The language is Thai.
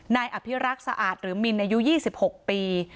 นายอภิรักษ์สะอาดหรือมินอายุ๒๖ปี